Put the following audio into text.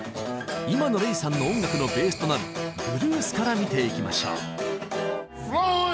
今のＲｅｉさんの音楽のベースとなるブルースから見ていきましょう。